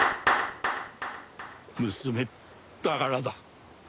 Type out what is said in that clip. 娘だからだ。